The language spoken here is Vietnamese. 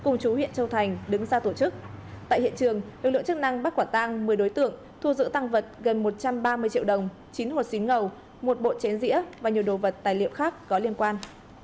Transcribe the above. công an huyện châu thành tỉnh tây ninh vừa triệt xóa một tụ điểm đánh bạc với thủ đoạn tinh vi thuê nhiều tăng vật có liên quan